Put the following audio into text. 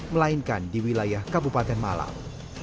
melainkan di wilayah kabupaten malang